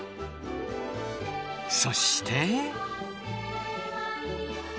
そして。